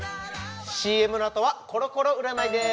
ＣＭのあとはコロコロ占いです